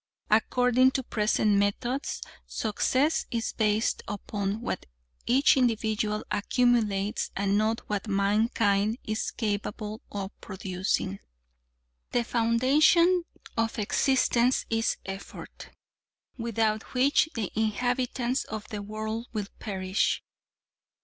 According to present methods success is based upon what each individual accumulates and not what mankind is capable of producing. "The foundation of existence is effort, without which the inhabitants of the world would perish.